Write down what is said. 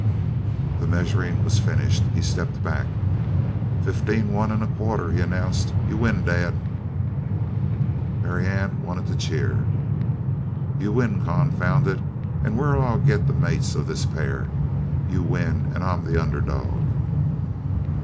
The measuring was finished; he stepped back. "Fifteen one and a quarter," he announced. "You win, Dad!" Marianne wanted to cheer. "You win, confound it! And where'll I get the mates of this pair? You win and I'm the underdog."